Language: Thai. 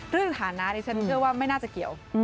เรื่องฐานะนี่ฉันเชื่อว่าไม่น่าจะเกี่ยว